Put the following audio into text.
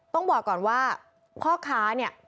ต้องบอกก่อนว่าพ่อค้าเนี่ย